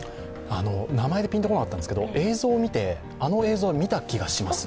名前でぴんと来なかったんですけど、映像を見て、あの映像は見た気がします。